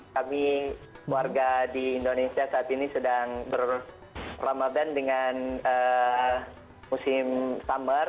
kami warga di indonesia saat ini sedang ber ramadan dengan musim summer